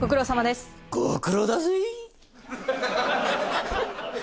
ご苦労だぜぇ。